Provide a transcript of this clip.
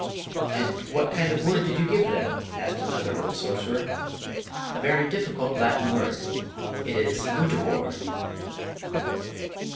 'And what kind of word did you give them?' asked another old sorcerer. 'A very difficult Latin word; it is "Mutabor."